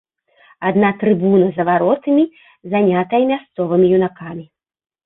Адна трыбуна за варотамі занятая мясцовымі юнакамі.